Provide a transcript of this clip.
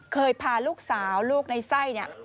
เคยพาลูกสาวลูกในไส้